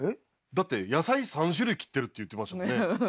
だって野菜３種類切ってるって言ってましたもんね。